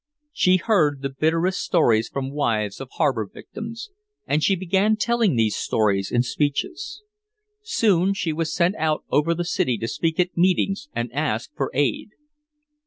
She heard the bitterest stories from wives of harbor victims, and she began telling these stories in speeches. Soon she was sent out over the city to speak at meetings and ask for aid.